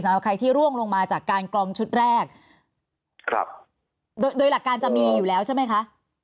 สำหรับใครที่ร่วงลงมาจากการกรองชุดแรกครับโดยโดยหลักการจะมีอยู่แล้วใช่ไหมคะ